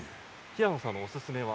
平野さんのおすすめは？